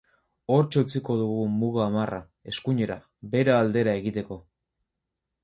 Hortxe utziko dugu muga marra, eskuinera, Bera aldera, egiteko.